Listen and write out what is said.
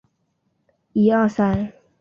后他与同族朱仰山等迁往天津。